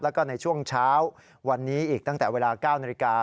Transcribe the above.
แล้วก็ในช่วงเช้าวันนี้อีกตั้งแต่เวลา๙นาฬิกา